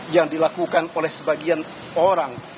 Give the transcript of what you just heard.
yang dilakukan oleh sebagian orang